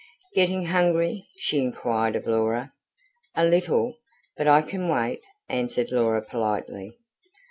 "Getting hungry?" she inquired of Laura. "A little. But I can wait," answered Laura politely.